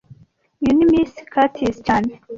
Uyu ni Miss Curtis cyane